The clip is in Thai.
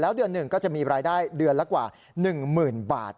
แล้วเดือนหนึ่งก็จะมีรายได้เดือนละกว่า๑๐๐๐บาท